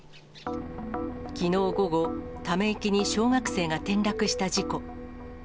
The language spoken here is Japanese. きのう午後、ため池に小学生が転落した事故。